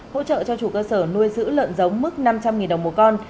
hỗ trợ cho chủ cơ sở nuôi giữ lợn giống mức năm trăm linh đồng một con